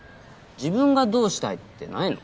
自分がどうしたいってないの？